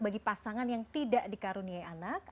bagi pasangan yang tidak dikaruniai anak